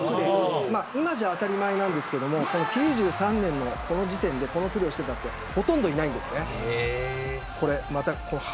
今じゃ当たり前なんですが９３年のこの時点でこのプレーをしてた人ほとんどいないんです。